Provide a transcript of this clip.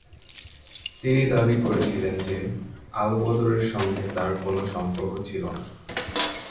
তিনি দাবি করেছিলেন যে, আলবদরের সঙ্গে তাঁর কোনো সম্পর্ক ছিল না।